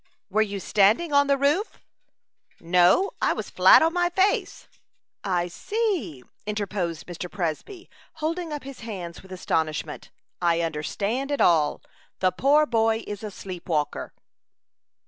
"Were you standing on the roof?" "No, I was flat on my face." "I see," interposed Mr. Presby, holding up his hands with astonishment, "I understand it all. The poor boy is a sleep walker."